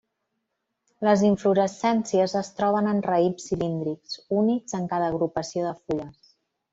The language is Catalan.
Les inflorescències es troben en raïms cilíndrics, únics en cada agrupació de fulles.